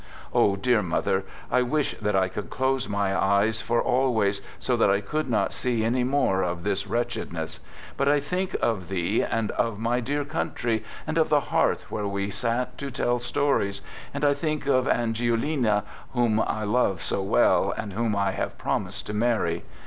... O dear mother, I wish that I could close my eyes for always, so that I could not see any more of this wretchedness, but I think of thee and of my dear country, and of the hearth where we sat to tell stories, and I think of Angiolina whom I love so well, and whom I have promised to marry.